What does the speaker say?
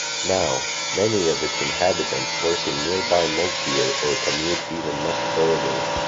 Now, many of its inhabitants work in nearby Moutier or commute even much further.